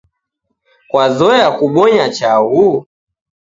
kwazoya kubonya chaghu?